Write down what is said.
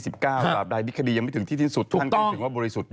บริสุทธิ์ยังไม่ถึงที่ที่สุดท่านก็ยังถึงว่าบริสุทธิ์อยู่